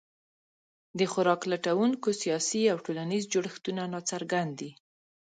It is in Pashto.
د خوراک لټونکو سیاسي او ټولنیز جوړښتونه ناڅرګند دي.